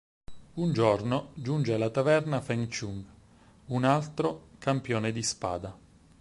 Un giorno, giunge alla taverna Feng Chung, un altro campione di spada.